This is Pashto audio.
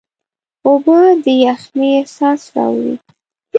اوبه د یخنۍ احساس راوړي.